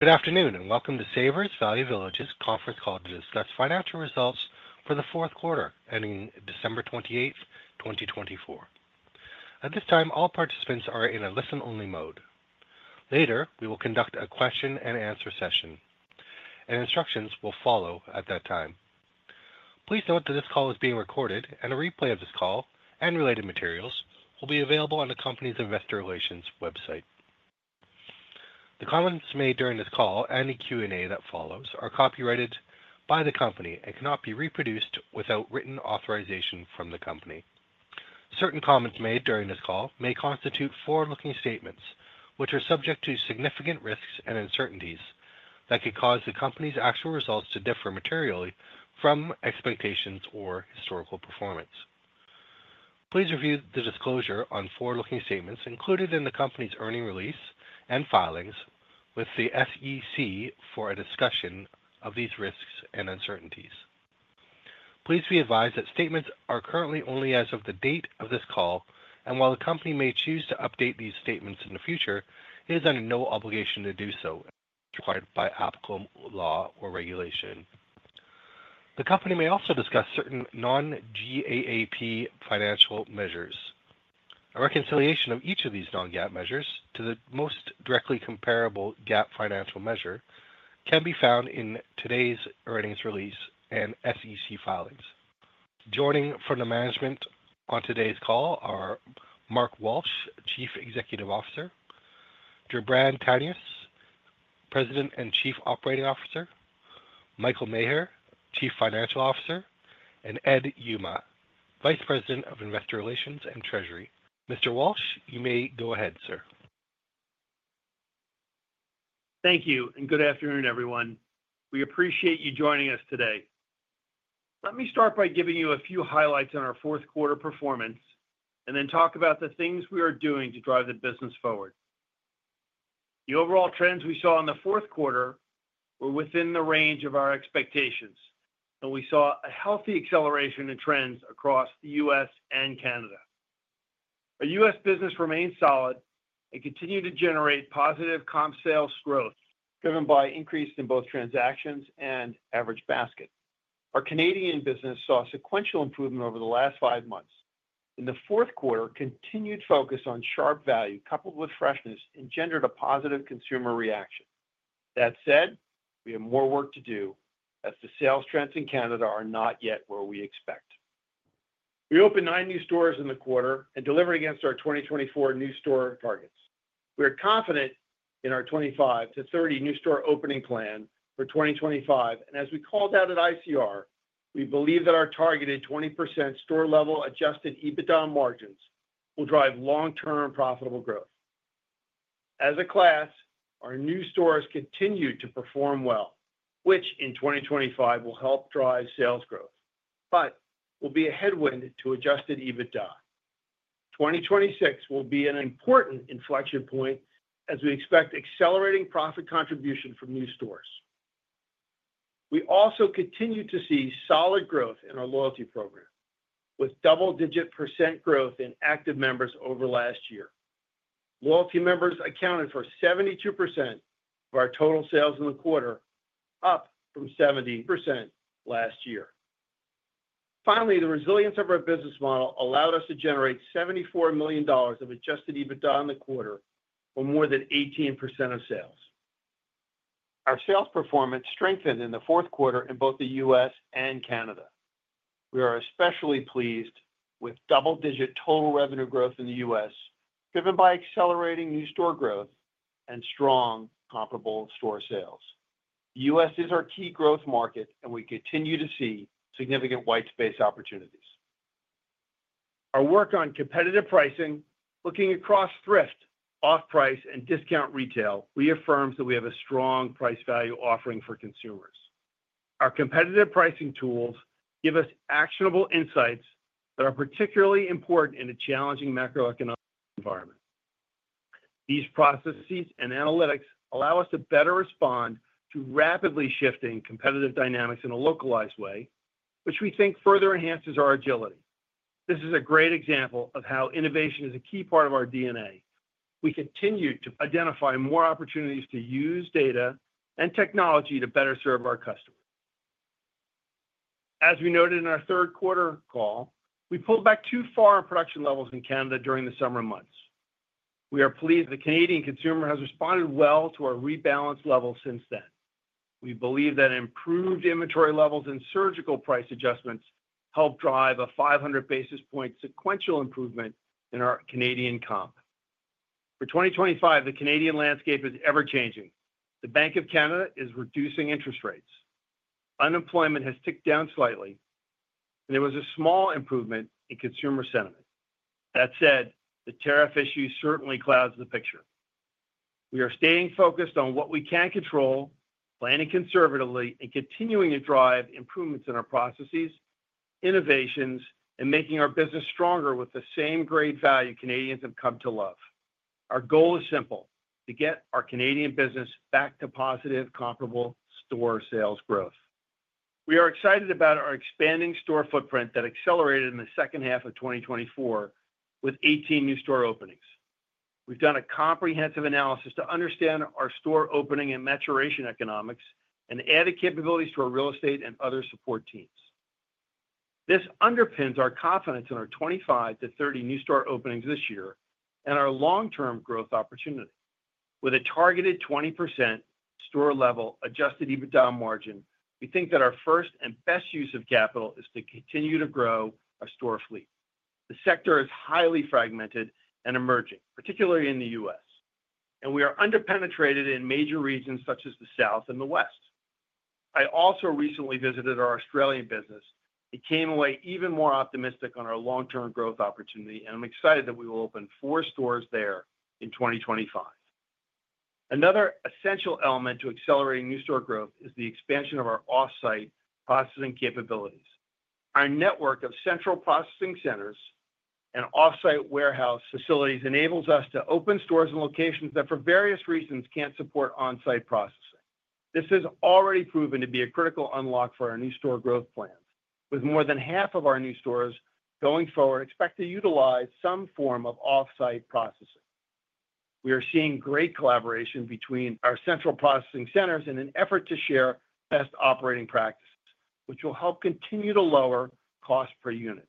Good afternoon and welcome to Savers Value Village's conference call to discuss financial results for the fourth quarter ending December 28th, 2024. At this time, all participants are in a listen-only mode. Later, we will conduct a question-and-answer session, and instructions will follow at that time. Please note that this call is being recorded, and a replay of this call and related materials will be available on the company's investor relations website. The comments made during this call and the Q&A that follows are copyrighted by the company and cannot be reproduced without written authorization from the company. Certain comments made during this call may constitute forward-looking statements, which are subject to significant risks and uncertainties that could cause the company's actual results to differ materially from expectations or historical performance. Please review the disclosure on forward-looking statements included in the company's earnings release and filings with the SEC for a discussion of these risks and uncertainties. Please be advised that statements are currently only as of the date of this call, and while the company may choose to update these statements in the future, it is under no obligation to do so as required by applicable law or regulation. The company may also discuss certain non-GAAP financial measures. A reconciliation of each of these non-GAAP measures to the most directly comparable GAAP financial measure can be found in today's earnings release and SEC filings. Joining from the management on today's call are Mark Walsh, Chief Executive Officer; Jubran Tanious, President and Chief Operating Officer; Michael Maher, Chief Financial Officer; and Ed Yuma, Vice President of Investor Relations and Treasury. Mr. Walsh, you may go ahead, sir. Thank you, and good afternoon, everyone. We appreciate you joining us today. Let me start by giving you a few highlights on our fourth quarter performance and then talk about the things we are doing to drive the business forward. The overall trends we saw in the fourth quarter were within the range of our expectations, and we saw a healthy acceleration in trends across the U.S. and Canada. Our U.S. business remained solid and continued to generate positive comp sales growth driven by an increase in both transactions and average basket. Our Canadian business saw sequential improvement over the last five months, and the fourth quarter continued focus on sharp value coupled with freshness engendered a positive consumer reaction. That said, we have more work to do as the sales trends in Canada are not yet where we expect. We opened nine new stores in the quarter and delivered against our 2024 new store targets. We are confident in our 25 to 30 new store opening plan for 2025, and as we called out at ICR, we believe that our targeted 20% store-level Adjusted EBITDA margins will drive long-term profitable growth. As a class, our new stores continue to perform well, which in 2025 will help drive sales growth, but will be a headwind to Adjusted EBITDA. 2026 will be an important inflection point as we expect accelerating profit contribution from new stores. We also continue to see solid growth in our loyalty program, with double-digit % growth in active members over last year. Loyalty members accounted for 72% of our total sales in the quarter, up from 70% last year. Finally, the resilience of our business model allowed us to generate $74 million of Adjusted EBITDA in the quarter for more than 18% of sales. Our sales performance strengthened in the fourth quarter in both the U.S. and Canada. We are especially pleased with double-digit total revenue growth in the U.S., driven by accelerating new store growth and strong comparable store sales. The U.S. is our key growth market, and we continue to see significant white space opportunities. Our work on competitive pricing, looking across thrift, off-price, and discount retail, reaffirms that we have a strong price value offering for consumers. Our competitive pricing tools give us actionable insights that are particularly important in a challenging macroeconomic environment. These processes and analytics allow us to better respond to rapidly shifting competitive dynamics in a localized way, which we think further enhances our agility. This is a great example of how innovation is a key part of our DNA. We continue to identify more opportunities to use data and technology to better serve our customers. As we noted in our third quarter call, we pulled back too far in production levels in Canada during the summer months. We are pleased that Canadian consumer has responded well to our rebalance level since then. We believe that improved inventory levels and surgical price adjustments help drive a 500 basis point sequential improvement in our Canadian comp. For 2025, the Canadian landscape is ever-changing. The Bank of Canada is reducing interest rates. Unemployment has ticked down slightly, and there was a small improvement in consumer sentiment. That said, the tariff issue certainly clouds the picture. We are staying focused on what we can control, planning conservatively, and continuing to drive improvements in our processes, innovations, and making our business stronger with the same great value Canadians have come to love. Our goal is simple: to get our Canadian business back to positive comparable store sales growth. We are excited about our expanding store footprint that accelerated in the second half of 2024 with 18 new store openings. We've done a comprehensive analysis to understand our store opening and maturation economics and added capabilities to our real estate and other support teams. This underpins our confidence in our 25 to 30 new store openings this year and our long-term growth opportunity. With a targeted 20% store-level Adjusted EBITDA margin, we think that our first and best use of capital is to continue to grow our store fleet. The sector is highly fragmented and emerging, particularly in the U.S., and we are underpenetrated in major regions such as the South and the West. I also recently visited our Australian business and came away even more optimistic on our long-term growth opportunity, and I'm excited that we will open four stores there in 2025. Another essential element to accelerating new store growth is the expansion of our off-site processing capabilities. Our network of central processing centers and off-site warehouse facilities enables us to open stores in locations that, for various reasons, can't support on-site processing. This has already proven to be a critical unlock for our new store growth plans, with more than half of our new stores going forward expect to utilize some form of off-site processing. We are seeing great collaboration between our central processing centers in an effort to share best operating practices, which will help continue to lower costs per unit.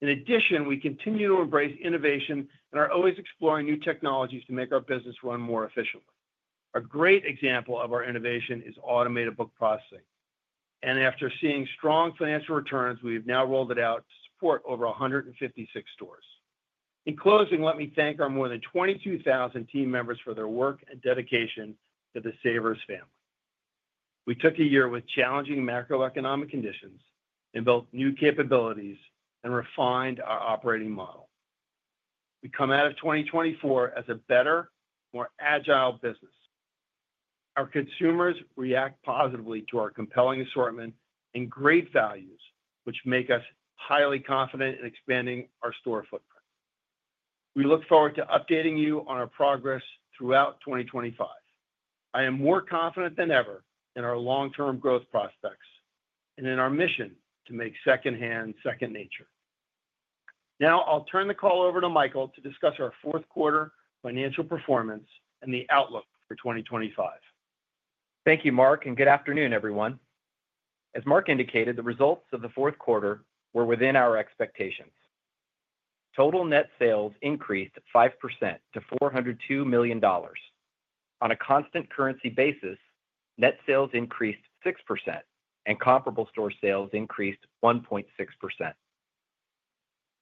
In addition, we continue to embrace innovation and are always exploring new technologies to make our business run more efficiently. A great example of our innovation is automated book processing, and after seeing strong financial returns, we have now rolled it out to support over 156 stores. In closing, let me thank our more than 22,000 team members for their work and dedication to the Savers family. We took a year with challenging macroeconomic conditions and built new capabilities and refined our operating model. We come out of 2024 as a better, more agile business. Our consumers react positively to our compelling assortment and great values, which make us highly confident in expanding our store footprint. We look forward to updating you on our progress throughout 2025. I am more confident than ever in our long-term growth prospects and in our mission to make secondhand second nature. Now, I'll turn the call over to Michael to discuss our fourth quarter financial performance and the outlook for 2025. Thank you, Mark, and good afternoon, everyone. As Mark indicated, the results of the fourth quarter were within our expectations. Total net sales increased 5% to $402 million. On a constant currency basis, net sales increased 6%, and comparable store sales increased 1.6%.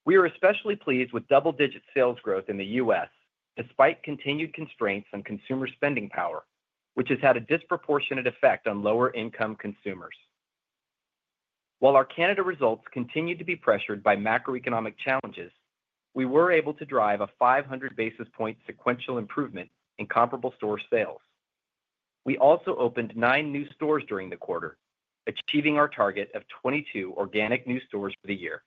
We are especially pleased with double-digit sales growth in the U.S., despite continued constraints on consumer spending power, which has had a disproportionate effect on lower-income consumers. While our Canada results continued to be pressured by macroeconomic challenges, we were able to drive a 500 basis point sequential improvement in comparable store sales. We also opened nine new stores during the quarter, achieving our target of 22 organic new stores for the year.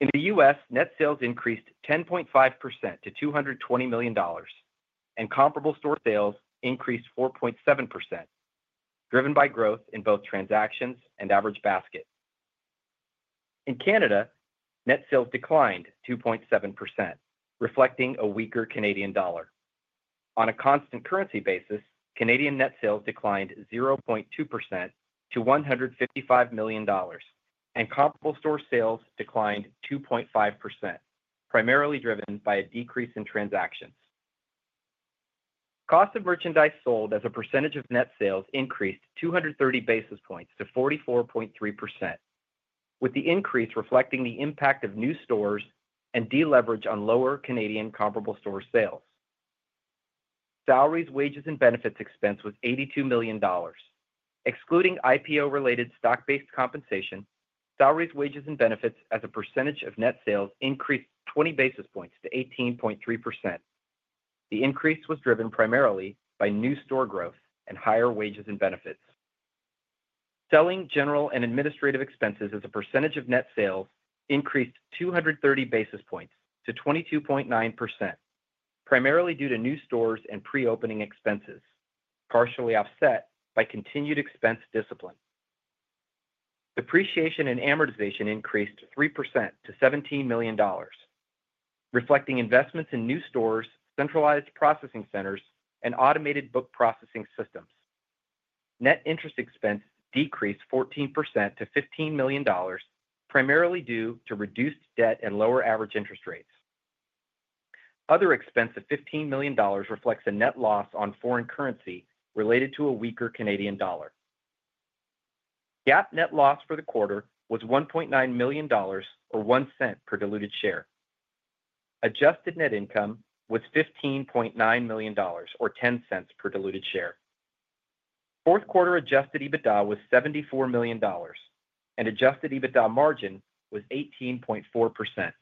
In the U.S., net sales increased 10.5% to $220 million, and comparable store sales increased 4.7%, driven by growth in both transactions and average basket. In Canada, net sales declined 2.7%, reflecting a weaker Canadian dollar. On a constant currency basis, Canadian net sales declined 0.2% to $155 million, and comparable store sales declined 2.5%, primarily driven by a decrease in transactions. Cost of merchandise sold as a percentage of net sales increased 230 basis points to 44.3%, with the increase reflecting the impact of new stores and deleverage on lower Canadian comparable store sales. Salaries, wages, and benefits expense was $82 million. Excluding IPO-related stock-based compensation, salaries, wages, and benefits as a percentage of net sales increased 20 basis points to 18.3%. The increase was driven primarily by new store growth and higher wages and benefits. Selling, general, and administrative expenses as a percentage of net sales increased 230 basis points to 22.9%, primarily due to new stores and pre-opening expenses, partially offset by continued expense discipline. Depreciation and amortization increased 3% to $17 million, reflecting investments in new stores, centralized processing centers, and automated book processing systems. Net interest expense decreased 14% to $15 million, primarily due to reduced debt and lower average interest rates. Other expense of $15 million reflects a net loss on foreign currency related to a weaker Canadian dollar. GAAP net loss for the quarter was $1.9 million, or $0.01 per diluted share. Adjusted Net Income was $15.9 million, or $0.10 per diluted share. Fourth quarter Adjusted EBITDA was $74 million, and Adjusted EBITDA margin was 18.4%.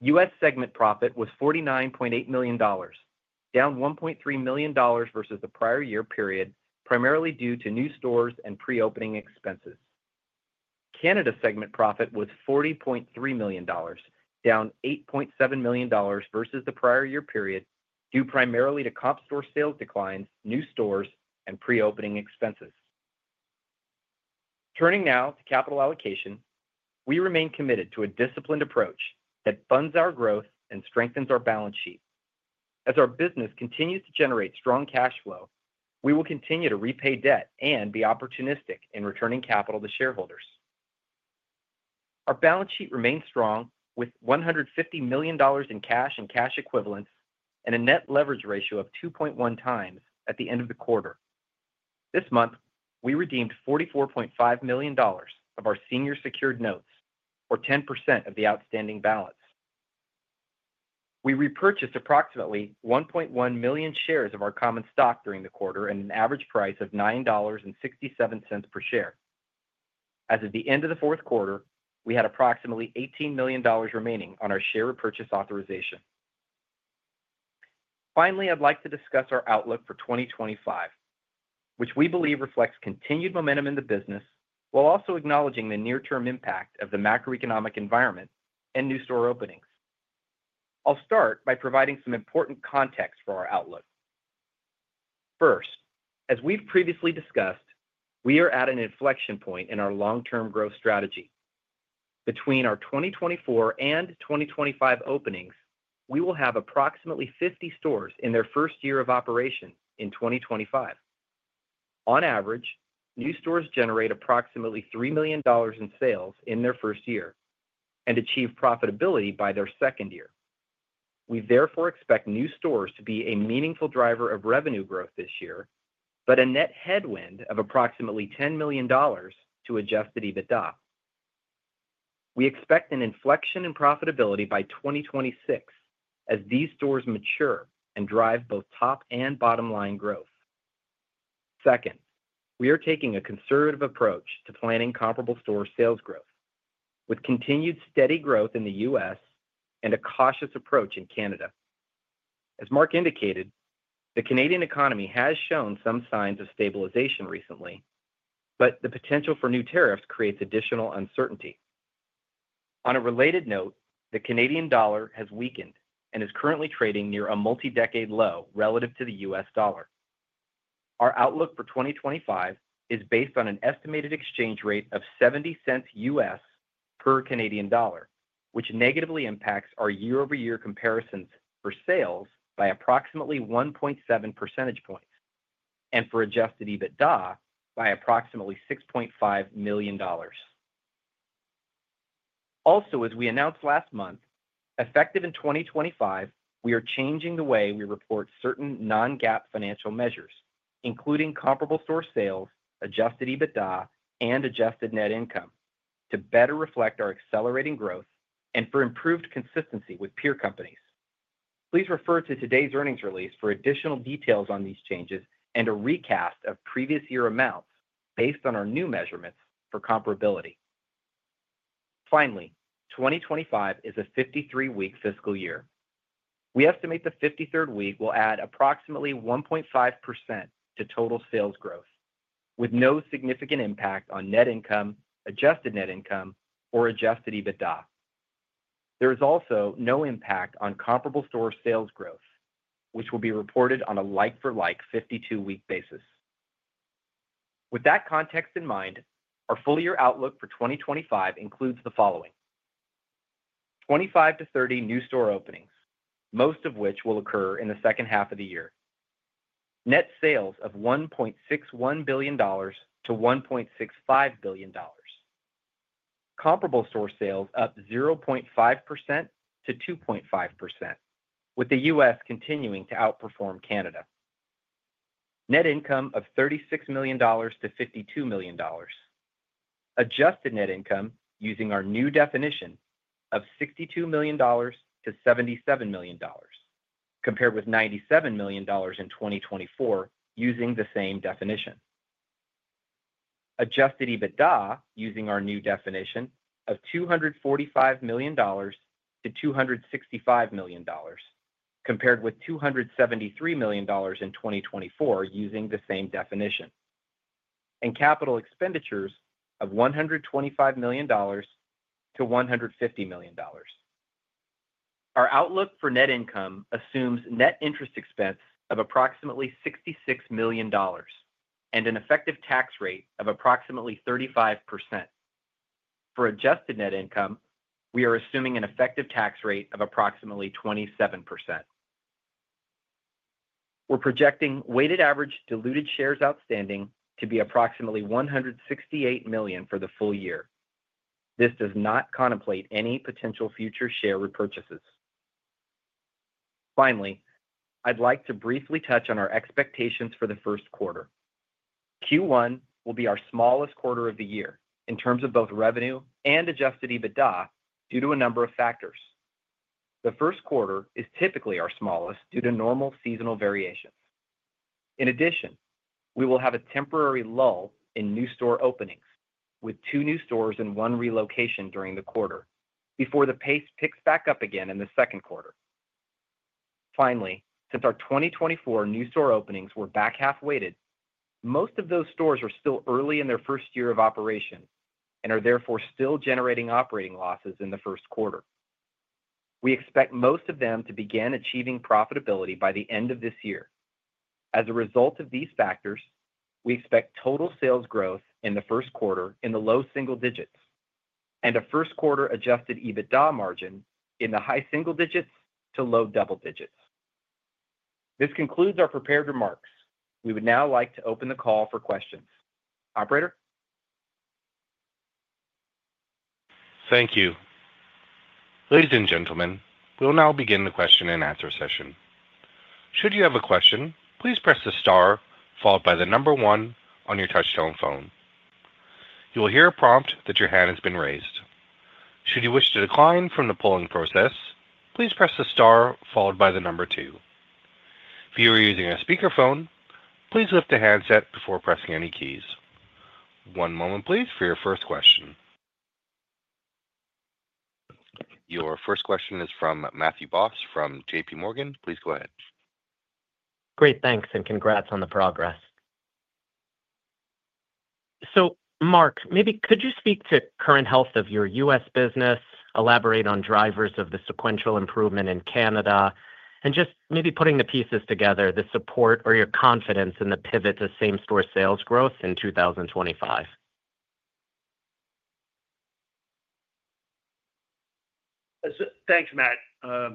U.S. segment profit was $49.8 million, down $1.3 million versus the prior year period, primarily due to new stores and pre-opening expenses. Canada segment profit was $40.3 million, down $8.7 million versus the prior year period, due primarily to comp store sales declines, new stores, and pre-opening expenses. Turning now to capital allocation, we remain committed to a disciplined approach that funds our growth and strengthens our balance sheet. As our business continues to generate strong cash flow, we will continue to repay debt and be opportunistic in returning capital to shareholders. Our balance sheet remains strong with $150 million in cash and cash equivalents and a net leverage ratio of 2.1 times at the end of the quarter. This month, we redeemed $44.5 million of our senior secured notes, or 10% of the outstanding balance. We repurchased approximately 1.1 million shares of our common stock during the quarter at an average price of $9.67 per share. As of the end of the fourth quarter, we had approximately $18 million remaining on our share repurchase authorization. Finally, I'd like to discuss our outlook for 2025, which we believe reflects continued momentum in the business while also acknowledging the near-term impact of the macroeconomic environment and new store openings. I'll start by providing some important context for our outlook. First, as we've previously discussed, we are at an inflection point in our long-term growth strategy. Between our 2024 and 2025 openings, we will have approximately 50 stores in their first year of operation in 2025. On average, new stores generate approximately $3 million in sales in their first year and achieve profitability by their second year. We therefore expect new stores to be a meaningful driver of revenue growth this year, but a net headwind of approximately $10 million to Adjusted EBITDA. We expect an inflection in profitability by 2026 as these stores mature and drive both top and bottom line growth. Second, we are taking a conservative approach to planning comparable store sales growth, with continued steady growth in the U.S. and a cautious approach in Canada. As Mark indicated, the Canadian economy has shown some signs of stabilization recently, but the potential for new tariffs creates additional uncertainty. On a related note, the Canadian dollar has weakened and is currently trading near a multi-decade low relative to the U.S. dollar. Our outlook for 2025 is based on an estimated exchange rate of 70 cents U.S. per Canadian dollar, which negatively impacts our year-over-year comparisons for sales by approximately 1.7 percentage points and for Adjusted EBITDA by approximately $6.5 million. Also, as we announced last month, effective in 2025, we are changing the way we report certain non-GAAP financial measures, including comparable store sales, Adjusted EBITDA, and Adjusted Net Income, to better reflect our accelerating growth and for improved consistency with peer companies. Please refer to today's earnings release for additional details on these changes and a recast of previous year amounts based on our new measurements for comparability. Finally, 2025 is a 53-week fiscal year. We estimate the 53rd week will add approximately 1.5% to total sales growth, with no significant impact on net income, Adjusted Net Income, or Adjusted EBITDA. There is also no impact on comparable store sales growth, which will be reported on a like-for-like 52-week basis. With that context in mind, our full year outlook for 2025 includes the following: 25 to 30 new store openings, most of which will occur in the second half of the year. Net sales of $1.61 to $1.65 billion. Comparable store sales up 0.5%-2.5%, with the U.S. continuing to outperform Canada. Net income of $36-$52 million. Adjusted Net Income using our new definition of $62 to $77 million, compared with $97 million in 2024 using the same definition. Adjusted EBITDA using our new definition of $245-$265 million, compared with $273 million in 2024 using the same definition. And capital expenditures of $125 to $150 million. Our outlook for net income assumes net interest expense of approximately $66 million and an effective tax rate of approximately 35%. For Adjusted Net Income, we are assuming an effective tax rate of approximately 27%. We're projecting weighted average diluted shares outstanding to be approximately 168 million for the full year. This does not contemplate any potential future share repurchases. Finally, I'd like to briefly touch on our expectations for the first quarter. Q1 will be our smallest quarter of the year in terms of both revenue and Adjusted EBITDA due to a number of factors. The first quarter is typically our smallest due to normal seasonal variations. In addition, we will have a temporary lull in new store openings, with two new stores and one relocation during the quarter before the pace picks back up again in the second quarter. Finally, since our 2024 new store openings were back half-weighted, most of those stores are still early in their first year of operation and are therefore still generating operating losses in the first quarter. We expect most of them to begin achieving profitability by the end of this year. As a result of these factors, we expect total sales growth in the first quarter in the low single digits and a first quarter Adjusted EBITDA margin in the high single digits to low double digits. This concludes our prepared remarks. We would now like to open the call for questions. Operator? Thank you. Ladies and gentlemen, we'll now begin the question and answer session. Should you have a question, please press the star followed by the number one on your touch-tone phone. You will hear a prompt that your hand has been raised. Should you wish to decline from the polling process, please press the star followed by the number two. If you are using a speakerphone, please lift the handset before pressing any keys. One moment, please, for your first question. Your first question is from Matthew Boss from J.P. Morgan. Please go ahead. Great. Thanks, and congrats on the progress. So, Mark, maybe could you speak to current health of your U.S. business, elaborate on drivers of the sequential improvement in Canada, and just maybe putting the pieces together, the support or your confidence in the pivot to same-store sales growth in 2025? Thanks, Matt.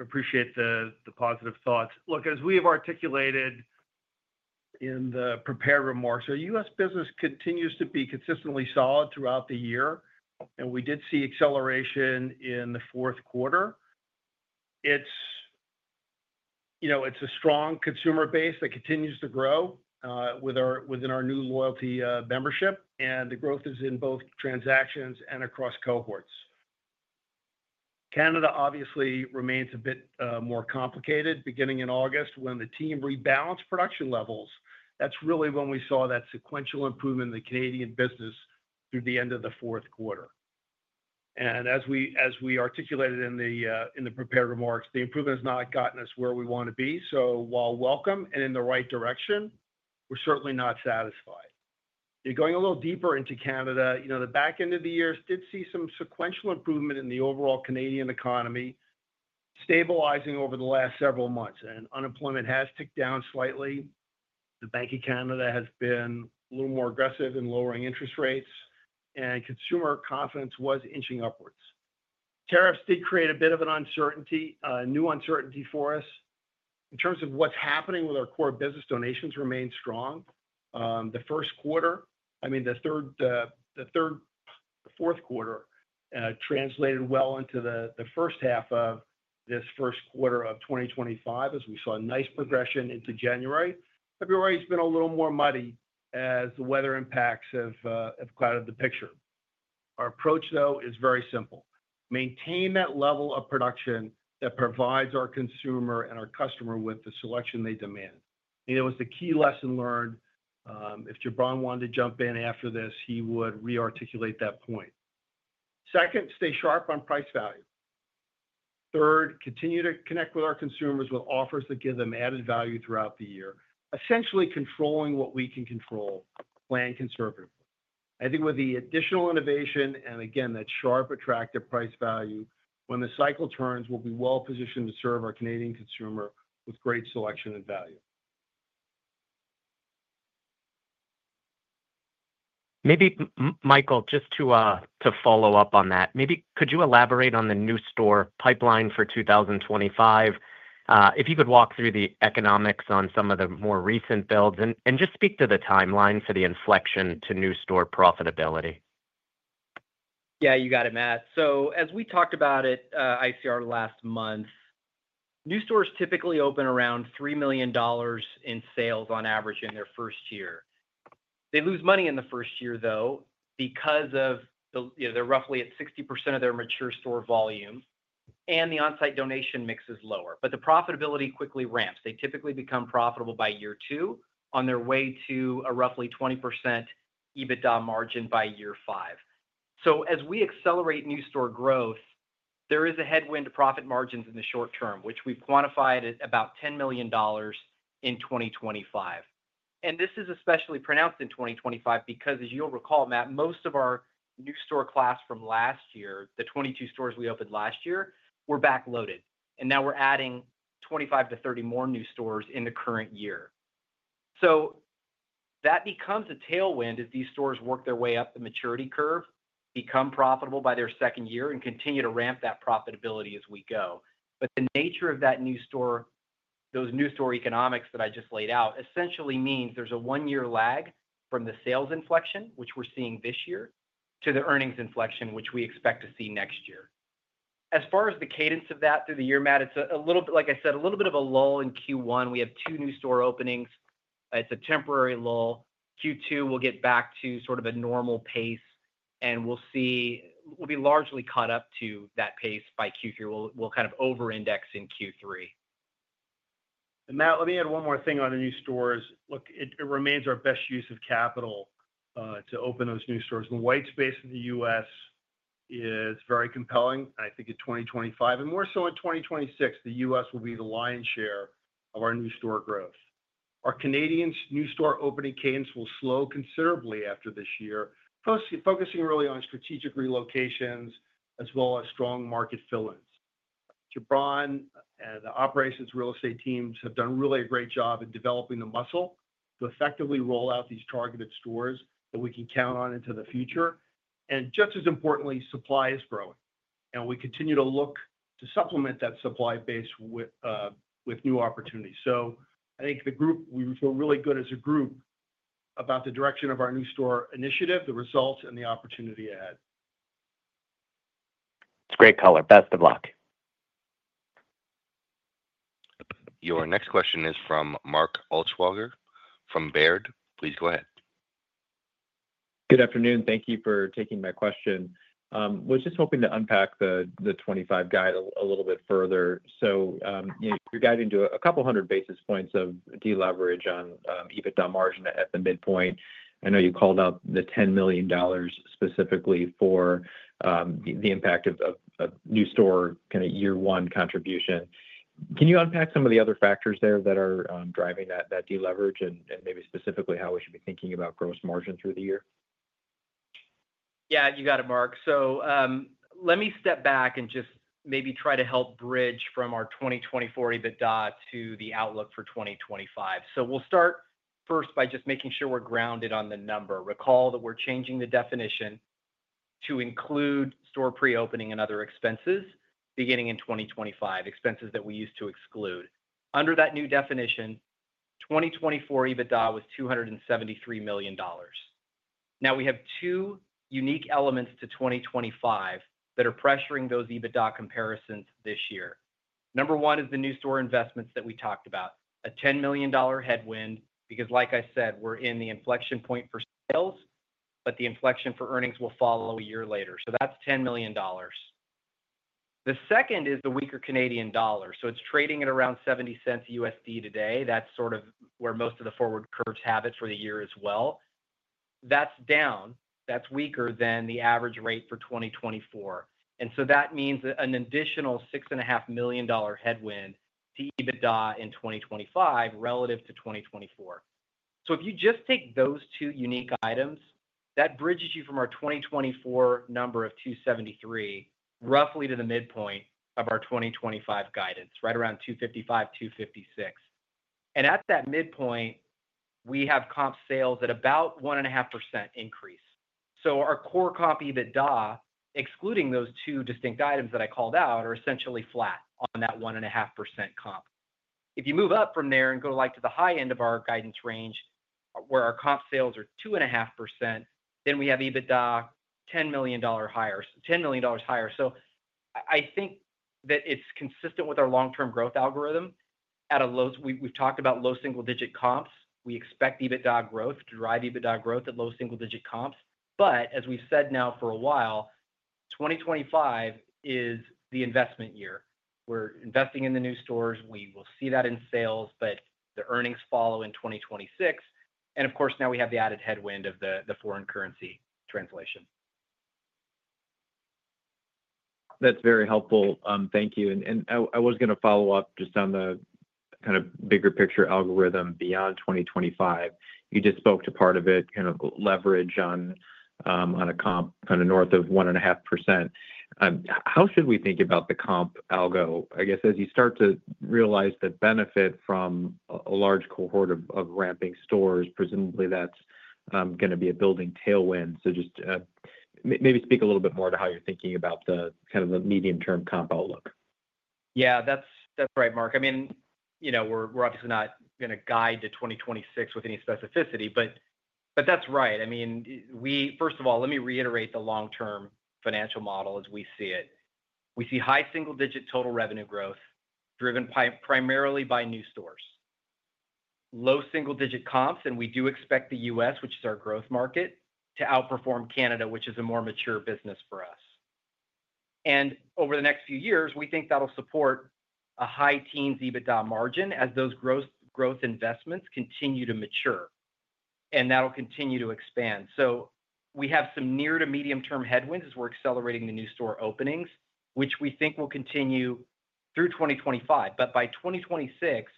Appreciate the positive thoughts. Look, as we have articulated in the prepared remarks, our U.S. business continues to be consistently solid throughout the year, and we did see acceleration in the fourth quarter. It's a strong consumer base that continues to grow within our new loyalty membership, and the growth is in both transactions and across cohorts. Canada obviously remains a bit more complicated beginning in August when the team rebalanced production levels. That's really when we saw that sequential improvement in the Canadian business through the end of the fourth quarter. And as we articulated in the prepared remarks, the improvement has not gotten us where we want to be. So while welcome and in the right direction, we're certainly not satisfied. Going a little deeper into Canada, the back end of the year did see some sequential improvement in the overall Canadian economy stabilizing over the last several months, and unemployment has ticked down slightly. The Bank of Canada has been a little more aggressive in lowering interest rates, and consumer confidence was inching upwards. Tariffs did create a bit of an uncertainty, a new uncertainty for us. In terms of what's happening with our core business, donations remained strong. The first quarter, I mean, the third, fourth quarter translated well into the first half of this first quarter of 2025, as we saw a nice progression into January. February has been a little more muddy as the weather impacts have clouded the picture. Our approach, though, is very simple: maintain that level of production that provides our consumer and our customer with the selection they demand. It was the key lesson learned. If Jubran wanted to jump in after this, he would re-articulate that point. Second, stay sharp on price value. Third, continue to connect with our consumers with offers that give them added value throughout the year, essentially controlling what we can control, planned conservatively. I think with the additional innovation and, again, that sharp, attractive price value, when the cycle turns, we'll be well positioned to serve our Canadian consumer with great selection and value. Maybe, Michael, just to follow up on that, maybe could you elaborate on the new store pipeline for 2025? If you could walk through the economics on some of the more recent builds and just speak to the timeline for the inflection to new store profitability. Yeah, you got it, Matt. So as we talked about it, ICR last month, new stores typically open around $3 million in sales on average in their first year. They lose money in the first year, though, because they're roughly at 60% of their mature store volume, and the on-site donation mix is lower. But the profitability quickly ramps. They typically become profitable by year two on their way to a roughly 20% EBITDA margin by year five. So as we accelerate new store growth, there is a headwind to profit margins in the short term, which we've quantified at about $10 million in 2025. And this is especially pronounced in 2025 because, as you'll recall, Matt, most of our new store class from last year, the 22 stores we opened last year, were backloaded, and now we're adding 25 to 30 more new stores in the current year. So that becomes a tailwind as these stores work their way up the maturity curve, become profitable by their second year, and continue to ramp that profitability as we go. But the nature of that new store, those new store economics that I just laid out, essentially means there's a one-year lag from the sales inflection, which we're seeing this year, to the earnings inflection, which we expect to see next year. As far as the cadence of that through the year, Matt, it's a little bit, like I said, a little bit of a lull in Q1. We have two new store openings. It's a temporary lull. Q2, we'll get back to sort of a normal pace, and we'll see we'll be largely caught up to that pace by Q3. We'll kind of over-index in Q3. And, Matt, let me add one more thing on the new stores. Look, it remains our best use of capital to open those new stores. The white space in the U.S. is very compelling, I think, in 2025, and more so in 2026. The U.S. will be the lion's share of our new store growth. Our Canadian new store opening cadence will slow considerably after this year, focusing really on strategic relocations as well as strong market fill-ins. Jubran and the operations real estate teams have done really a great job in developing the muscle to effectively roll out these targeted stores that we can count on into the future. And just as importantly, supply is growing, and we continue to look to supplement that supply base with new opportunities. So I think the group, we feel really good as a group about the direction of our new store initiative, the results, and the opportunity ahead. It's great, caller. Best of luck. Your next question is from Mark Altschwager from Baird. Please go ahead. Good afternoon. Thank you for taking my question. I was just hoping to unpack the 2025 guide a little bit further. So you're guiding to a couple hundred basis points of de-leverage on EBITDA margin at the midpoint. I know you called out the $10 million specifically for the impact of new store kind of year one contribution. Can you unpack some of the other factors there that are driving that de-leverage and maybe specifically how we should be thinking about gross margin through the year? Yeah, you got it, Mark. So let me step back and just maybe try to help bridge from our 2024 EBITDA to the outlook for 2025. So we'll start first by just making sure we're grounded on the number. Recall that we're changing the definition to include store pre-opening and other expenses beginning in 2025, expenses that we used to exclude. Under that new definition, 2024 EBITDA was $273 million. Now we have two unique elements to 2025 that are pressuring those EBITDA comparisons this year. Number one is the new store investments that we talked about, a $10 million headwind because, like I said, we're in the inflection point for sales, but the inflection for earnings will follow a year later. So that's $10 million. The second is the weaker Canadian dollar. So it's trading at around $0.70 today. That's sort of where most of the forward curves have it for the year as well. That's down. That's weaker than the average rate for 2024. And so that means an additional $6.5 million headwind to EBITDA in 2025 relative to 2024. So if you just take those two unique items, that bridges you from our 2024 number of 273 roughly to the midpoint of our 2025 guidance, right around 255, 256. And at that midpoint, we have comp sales at about 1.5% increase. So our core comp EBITDA, excluding those two distinct items that I called out, are essentially flat on that 1.5% comp. If you move up from there and go to the high end of our guidance range where our comp sales are 2.5%, then we have EBITDA $10 million higher. So, I think that it's consistent with our long-term growth algorithm at a low we've talked about: low single-digit comps. We expect EBITDA growth to drive EBITDA growth at low single-digit comps. But as we've said now for a while, 2025 is the investment year. We're investing in the new stores. We will see that in sales, but the earnings follow in 2026. And of course, now we have the added headwind of the foreign currency translation. That's very helpful. Thank you, and I was going to follow up just on the kind of bigger picture algorithm beyond 2025. You just spoke to part of it, kind of leverage on a comp kind of north of 1.5%. How should we think about the comp algo? I guess as you start to realize the benefit from a large cohort of ramping stores, presumably that's going to be a building tailwind, so just maybe speak a little bit more to how you're thinking about the kind of the medium-term comp outlook. Yeah, that's right, Mark. I mean, we're obviously not going to guide to 2026 with any specificity, but that's right. I mean, first of all, let me reiterate the long-term financial model as we see it. We see high single-digit total revenue growth driven primarily by new stores, low single-digit comps, and we do expect the U.S., which is our growth market, to outperform Canada, which is a more mature business for us, and over the next few years, we think that'll support a high teens EBITDA margin as those growth investments continue to mature, and that'll continue to expand, so we have some near to medium-term headwinds as we're accelerating the new store openings, which we think will continue through 2025, but by 2026,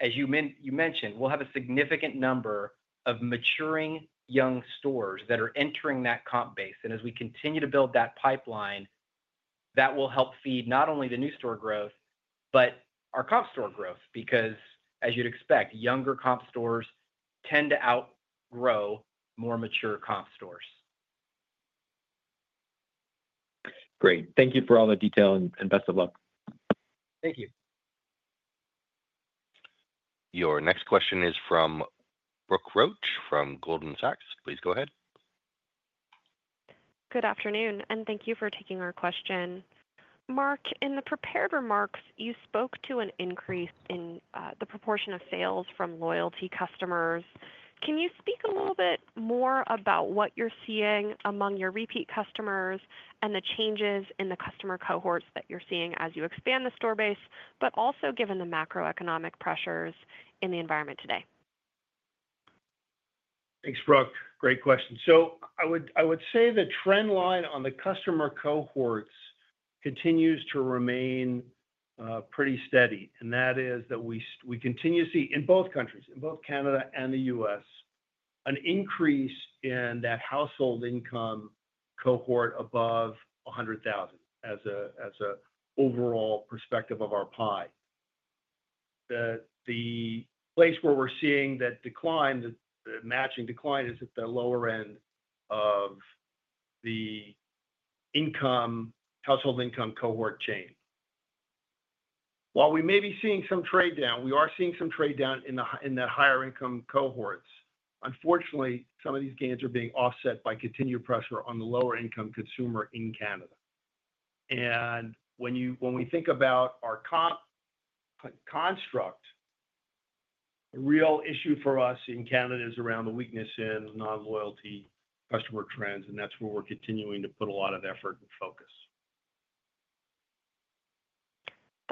as you mentioned, we'll have a significant number of maturing young stores that are entering that comp base. As we continue to build that pipeline, that will help feed not only the new store growth, but our comp store growth because, as you'd expect, younger comp stores tend to outgrow more mature comp stores. Great. Thank you for all the detail and best of luck. Thank you. Your next question is from Brooke Roach from Goldman Sachs. Please go ahead. Good afternoon, and thank you for taking our question. Mark, in the prepared remarks, you spoke to an increase in the proportion of sales from loyalty customers. Can you speak a little bit more about what you're seeing among your repeat customers and the changes in the customer cohorts that you're seeing as you expand the store base, but also given the macroeconomic pressures in the environment today? Thanks, Brooke. Great question. So I would say the trend line on the customer cohorts continues to remain pretty steady. And that is that we continue to see, in both countries, in both Canada and the U.S., an increase in that household income cohort above 100,000 as an overall perspective of our pie. The place where we're seeing that decline, the matching decline is at the lower end of the household income cohort chain. While we may be seeing some trade down, we are seeing some trade down in the higher income cohorts. Unfortunately, some of these gains are being offset by continued pressure on the lower income consumer in Canada. And when we think about our comp construct, a real issue for us in Canada is around the weakness in non-loyalty customer trends, and that's where we're continuing to put a lot of effort and focus.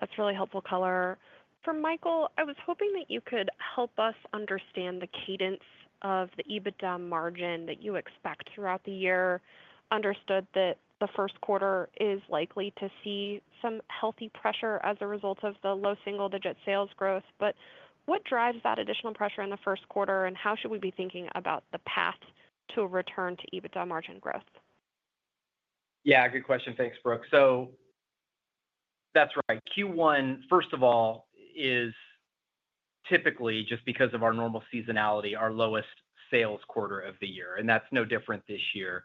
That's really helpful, color. For Michael, I was hoping that you could help us understand the cadence of the EBITDA margin that you expect throughout the year. Understood that the first quarter is likely to see some healthy pressure as a result of the low single-digit sales growth. But what drives that additional pressure in the first quarter, and how should we be thinking about the path to a return to EBITDA margin growth? Yeah, good question. Thanks, Brooke. So that's right. Q1, first of all, is typically, just because of our normal seasonality, our lowest sales quarter of the year. And that's no different this year.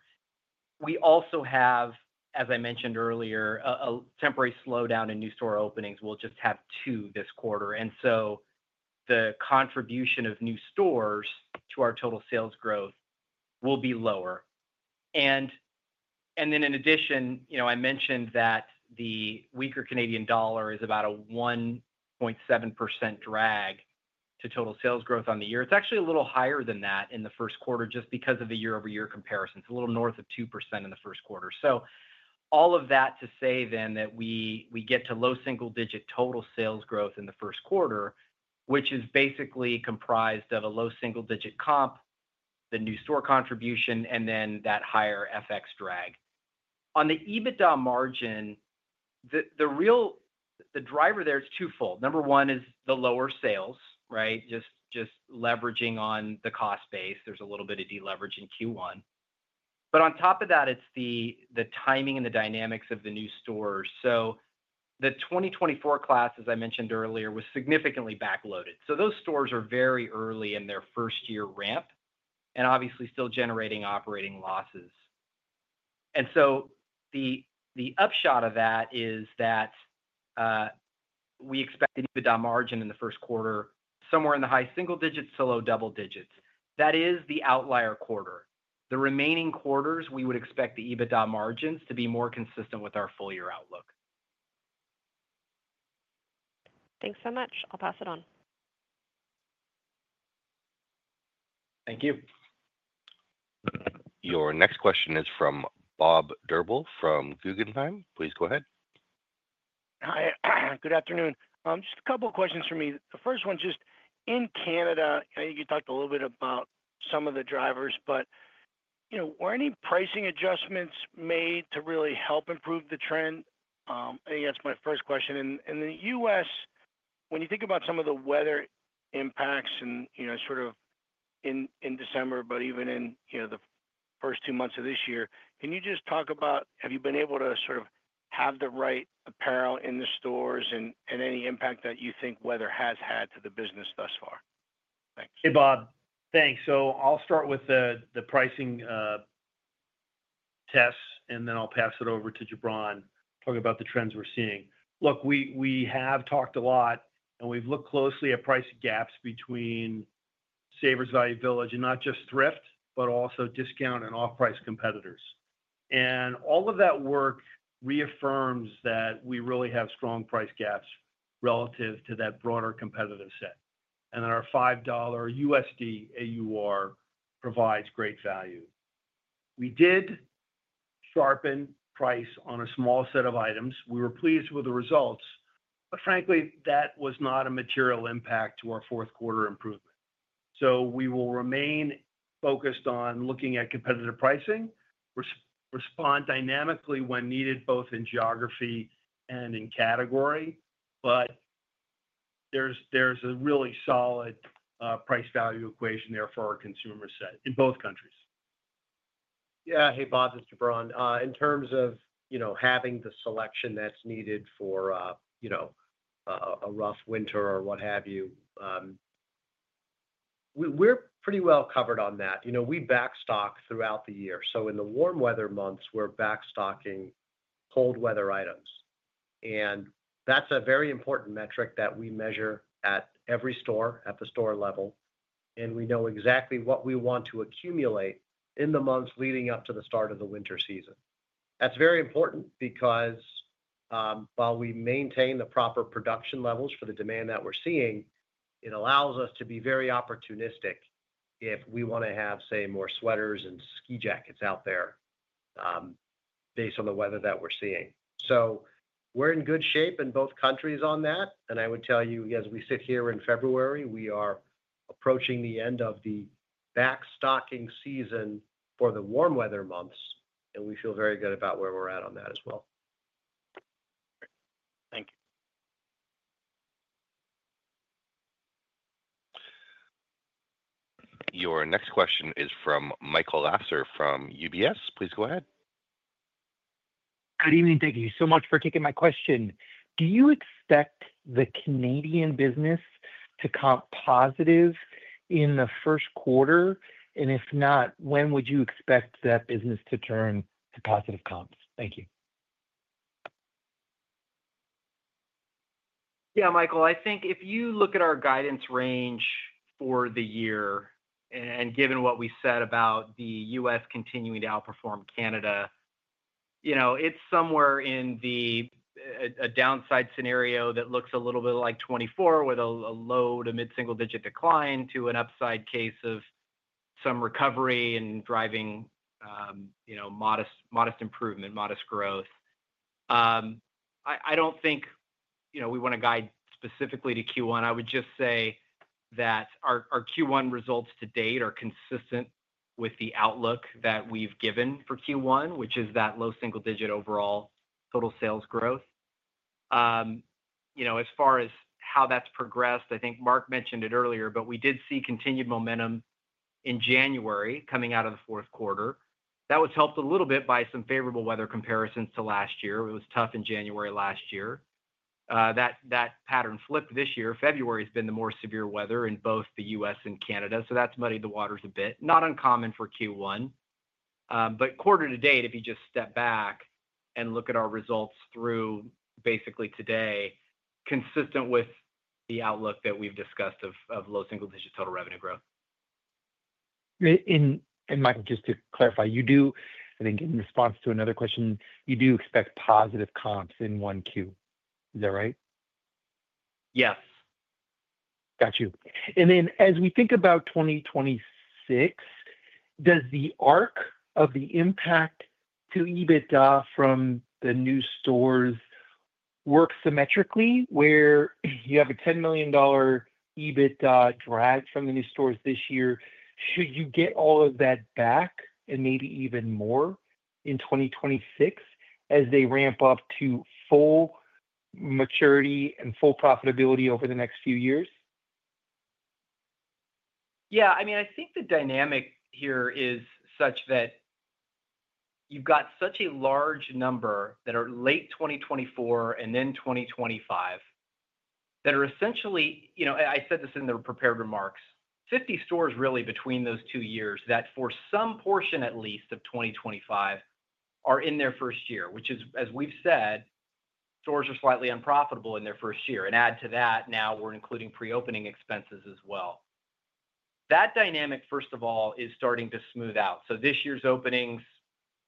We also have, as I mentioned earlier, a temporary slowdown in new store openings. We'll just have two this quarter. And so the contribution of new stores to our total sales growth will be lower. And then in addition, I mentioned that the weaker Canadian dollar is about a 1.7% drag to total sales growth on the year. It's actually a little higher than that in the first quarter just because of the year-over-year comparison. It's a little north of 2% in the first quarter. So all of that to say then that we get to low single-digit total sales growth in the first quarter, which is basically comprised of a low single-digit comp, the new store contribution, and then that higher FX drag. On the EBITDA margin, the driver there, it's twofold. Number one is the lower sales, right? Just leveraging on the cost base. There's a little bit of de-leverage in Q1. But on top of that, it's the timing and the dynamics of the new stores. So the 2024 class, as I mentioned earlier, was significantly backloaded. So those stores are very early in their first-year ramp and obviously still generating operating losses. And so the upshot of that is that we expect the EBITDA margin in the first quarter somewhere in the high single digits to low double digits. That is the outlier quarter. The remaining quarters, we would expect the EBITDA margins to be more consistent with our full-year outlook. Thanks so much. I'll pass it on. Thank you. Your next question is from Bob Drbul from Guggenheim. Please go ahead. Hi. Good afternoon. Just a couple of questions for me. The first one's just in Canada, I think you talked a little bit about some of the drivers, but were any pricing adjustments made to really help improve the trend? I think that's my first question. And in the U.S., when you think about some of the weather impacts and sort of in December, but even in the first two months of this year, can you just talk about, have you been able to sort of have the right apparel in the stores and any impact that you think weather has had to the business thus far? Thanks. Hey, Bob. Thanks. So I'll start with the pricing tests, and then I'll pass it over to Jubran talking about the trends we're seeing. Look, we have talked a lot, and we've looked closely at price gaps between Savers Value Village and not just thrift, but also discount and off-price competitors. And all of that work reaffirms that we really have strong price gaps relative to that broader competitive set. And then our $5 USD AUR provides great value. We did sharpen price on a small set of items. We were pleased with the results, but frankly, that was not a material impact to our fourth quarter improvement. So we will remain focused on looking at competitive pricing, respond dynamically when needed, both in geography and in category, but there's a really solid price value equation there for our consumer set in both countries. Yeah. Hey, Bob, this is Jubran. In terms of having the selection that's needed for a rough winter or what have you, we're pretty well covered on that. We backstock throughout the year, so in the warm weather months, we're backstocking cold weather items, and that's a very important metric that we measure at every store at the store level, and we know exactly what we want to accumulate in the months leading up to the start of the winter season. That's very important because while we maintain the proper production levels for the demand that we're seeing, it allows us to be very opportunistic if we want to have, say, more sweaters and ski jackets out there based on the weather that we're seeing, so we're in good shape in both countries on that. I would tell you, as we sit here in February, we are approaching the end of the backstocking season for the warm weather months, and we feel very good about where we're at on that as well. Thank you. Your next question is from Michael Lasser from UBS. Please go ahead. Good evening. Thank you so much for taking my question. Do you expect the Canadian business to comp positive in the first quarter? And if not, when would you expect that business to turn to positive comps? Thank you. Yeah, Michael, I think if you look at our guidance range for the year and given what we said about the U.S. continuing to outperform Canada, it's somewhere in the downside scenario that looks a little bit like 2024 with a low to mid-single-digit decline to an upside case of some recovery and driving modest improvement, modest growth. I don't think we want to guide specifically to Q1. I would just say that our Q1 results to date are consistent with the outlook that we've given for Q1, which is that low single-digit overall total sales growth. As far as how that's progressed, I think Mark mentioned it earlier, but we did see continued momentum in January coming out of the fourth quarter. That was helped a little bit by some favorable weather comparisons to last year. It was tough in January last year. That pattern flipped this year. February has been the more severe weather in both the U.S. and Canada. So that's muddied the waters a bit. Not uncommon for Q1. But quarter to date, if you just step back and look at our results through basically today, consistent with the outlook that we've discussed of low single-digit total revenue growth. Michael, just to clarify, you do, I think in response to another question, you do expect positive comps in one Q? Is that right? Yes. Got you. And then as we think about 2026, does the arc of the impact to EBITDA from the new stores work symmetrically where you have a $10 million EBITDA drag from the new stores this year? Should you get all of that back and maybe even more in 2026 as they ramp up to full maturity and full profitability over the next few years? Yeah. I mean, I think the dynamic here is such that you've got such a large number that are late 2024 and then 2025 that are essentially, I said this in the prepared remarks, 50 stores really between those two years that for some portion at least of 2025 are in their first year, which is, as we've said, stores are slightly unprofitable in their first year. And add to that, now we're including pre-opening expenses as well. That dynamic, first of all, is starting to smooth out. So this year's openings,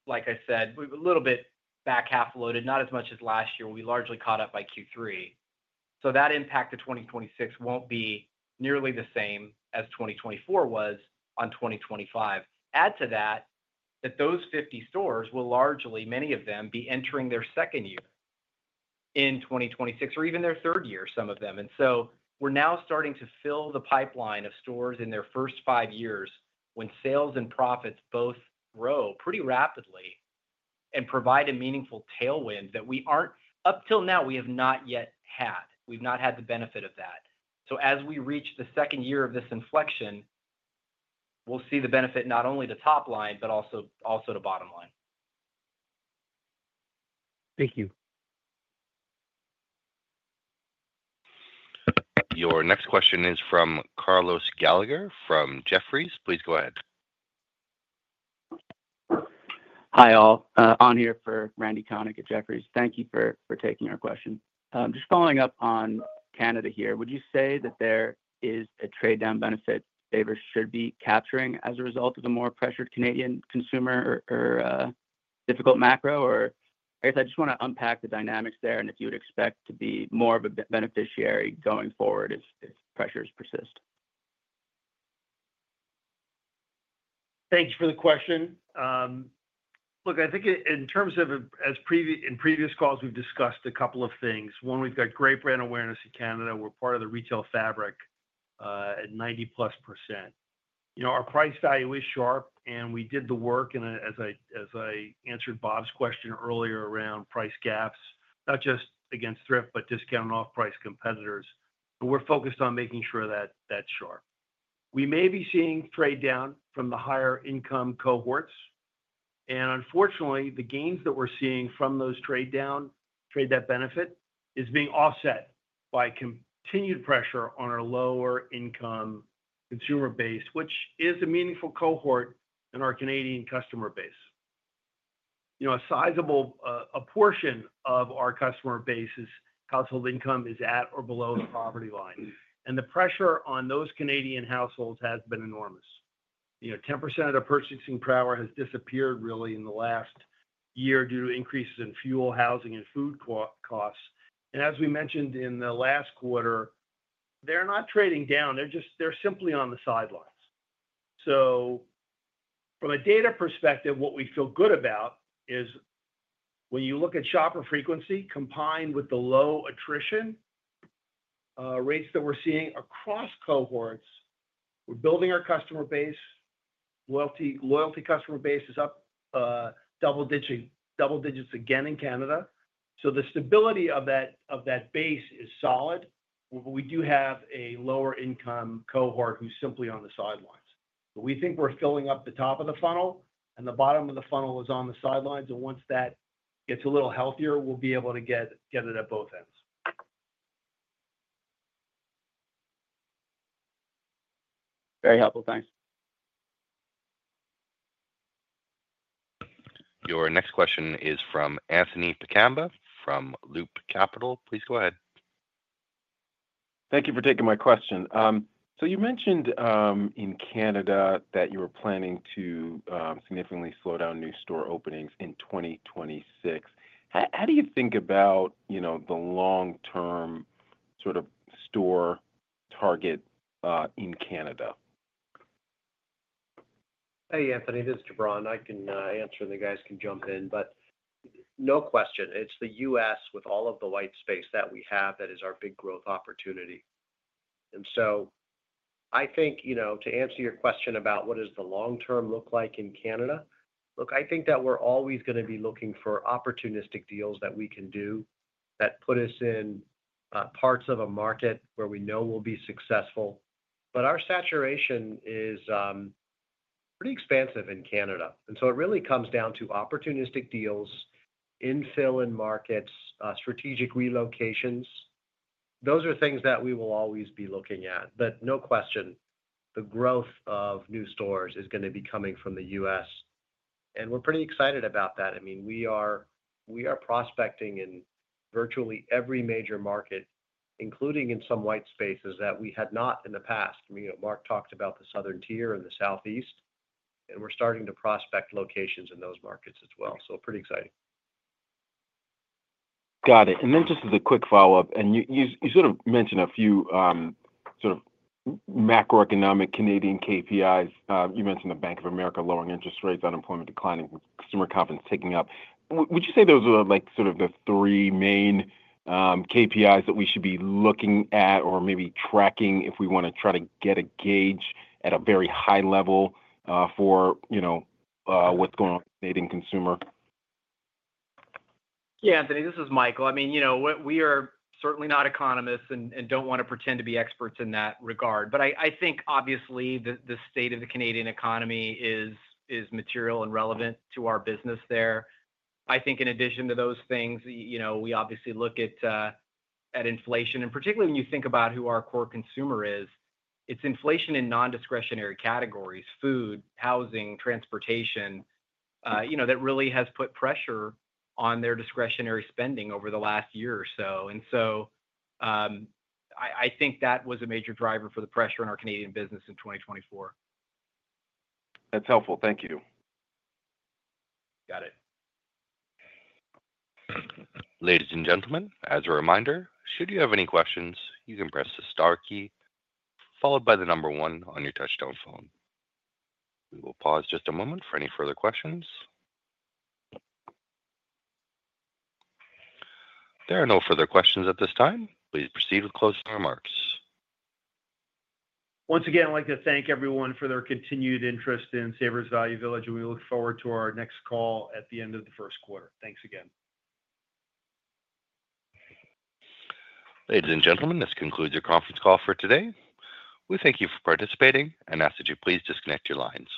like I said, a little bit back half loaded, not as much as last year. We largely caught up by Q3. So that impact to 2026 won't be nearly the same as 2024 was on 2025. Add to that that those 50 stores will largely, many of them, be entering their second year in 2026 or even their third year, some of them. And so we're now starting to fill the pipeline of stores in their first five years when sales and profits both grow pretty rapidly and provide a meaningful tailwind that we aren't up till now, we have not yet had. We've not had the benefit of that. So as we reach the second year of this inflection, we'll see the benefit not only to top line, but also to bottom line. Thank you. Your next question is from Carlos Gallagher from Jefferies. Please go ahead. Hi all. On here for Randy Konik at Jefferies. Thank you for taking our question. Just following up on Canada here, would you say that there is a trade-down benefit Savers should be capturing as a result of the more pressured Canadian consumer or difficult macro? Or I guess I just want to unpack the dynamics there and if you would expect to be more of a beneficiary going forward if pressures persist. Thank you for the question. Look, I think in terms of in previous calls, we've discussed a couple of things. One, we've got great brand awareness in Canada. We're part of the retail fabric at 90+%. Our price value is sharp, and we did the work. As I answered Bob's question earlier around price gaps, not just against thrift, but discount and off-price competitors, we're focused on making sure that that's sharp. We may be seeing trade-down from the higher-income cohorts. Unfortunately, the gains that we're seeing from those trade-down benefit is being offset by continued pressure on our lower-income consumer base, which is a meaningful cohort in our Canadian customer base. A sizable portion of our customer base's household income is at or below the poverty line. The pressure on those Canadian households has been enormous. 10% of their purchasing power has disappeared really in the last year due to increases in fuel, housing, and food costs, and as we mentioned in the last quarter, they're not trading down. They're simply on the sidelines. From a data perspective, what we feel good about is when you look at shopper frequency combined with the low attrition rates that we're seeing across cohorts, we're building our customer base. Loyalty customer base is up double digits again in Canada. The stability of that base is solid, but we do have a lower-income cohort who's simply on the sidelines, but we think we're filling up the top of the funnel, and the bottom of the funnel is on the sidelines, and once that gets a little healthier, we'll be able to get it at both ends. Very helpful. Thanks. Your next question is from Anthony Chukumba from Loop Capital. Please go ahead. Thank you for taking my question. So you mentioned in Canada that you were planning to significantly slow down new store openings in 2026. How do you think about the long-term sort of store target in Canada? Hey, Anthony, this is Jubran. I can answer, and the guys can jump in. But no question. It's the U.S. with all of the white space that we have that is our big growth opportunity. And so I think to answer your question about what does the long-term look like in Canada, look, I think that we're always going to be looking for opportunistic deals that we can do that put us in parts of a market where we know we'll be successful. But our saturation is pretty expansive in Canada. And so it really comes down to opportunistic deals, infill in markets, strategic relocations. Those are things that we will always be looking at. But no question, the growth of new stores is going to be coming from the U.S. And we're pretty excited about that. I mean, we are prospecting in virtually every major market, including in some white spaces that we had not in the past. Mark talked about the Southern Tier and the Southeast, and we're starting to prospect locations in those markets as well. So pretty exciting. Got it. And then just as a quick follow-up, and you sort of mentioned a few sort of macroeconomic Canadian KPIs. You mentioned the Bank of Canada lowering interest rates, unemployment declining, consumer confidence ticking up. Would you say those are sort of the three main KPIs that we should be looking at or maybe tracking if we want to try to get a gauge at a very high level for what's going on in the Canadian consumer? Yeah, Anthony, this is Michael. I mean, we are certainly not economists and don't want to pretend to be experts in that regard. But I think, obviously, the state of the Canadian economy is material and relevant to our business there. I think in addition to those things, we obviously look at inflation. And particularly when you think about who our core consumer is, it's inflation in non-discretionary categories: food, housing, transportation, that really has put pressure on their discretionary spending over the last year or so. And so I think that was a major driver for the pressure on our Canadian business in 2024. That's helpful. Thank you. Got it. Ladies and gentlemen, as a reminder, should you have any questions, you can press the star key followed by the number one on your touch-tone phone. We will pause just a moment for any further questions. There are no further questions at this time. Please proceed with closing remarks. Once again, I'd like to thank everyone for their continued interest in Savers Value Village, and we look forward to our next call at the end of the first quarter. Thanks again. Ladies and gentlemen, this concludes your conference call for today. We thank you for participating and ask that you please disconnect your lines.